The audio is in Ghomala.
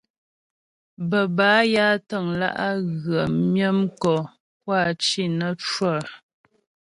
Bə́ bâ ya təŋlǎ' á ghə myə mkɔ puá cì nə́ cwə.